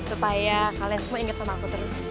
supaya kalian semua ingat sama aku terus